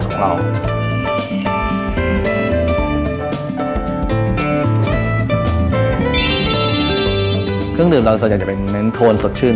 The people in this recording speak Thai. เครื่องดื่มส่วนใหญ่ก็จะเป็นท้นสดชื่น